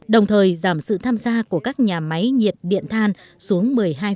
đồng thời giảm sự tham gia của các nhà máy nhiệt điện than xuống một mươi hai